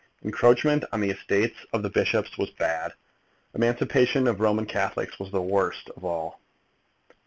Encroachment on the estates of the bishops was bad. Emancipation of Roman Catholics was the worst of all.